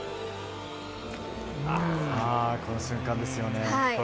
この瞬間ですよね。